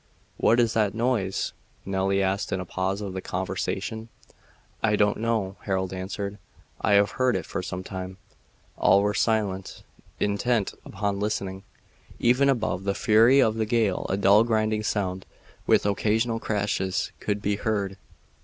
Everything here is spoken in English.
"What is that noise?" Nelly asked in a pause of the conversation. "I don't know," Harold answered. "I have heard it for some time." All were silent, intent upon listening. Even above the fury of the gale a dull grinding sound, with occasional crashes, could be heard.